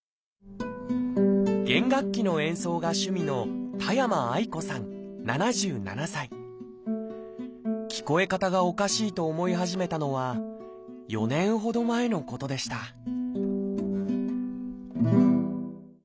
弦楽器の演奏が趣味の聞こえ方がおかしいと思い始めたのは４年ほど前のことでしたああ